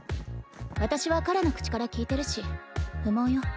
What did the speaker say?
私は彼の口から聞いてるし不毛よ。